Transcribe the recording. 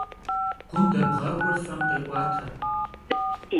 Gum debğaxuer fem khê'uate.